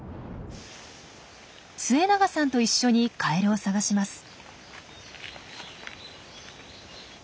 末永さんと一緒にカエルを探します。